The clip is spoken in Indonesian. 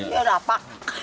ya di depan